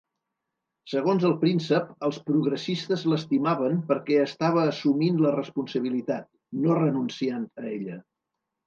Segons el príncep, "els progressistes l'estimaven perquè estava assumint la responsabilitat, no renunciant a ella".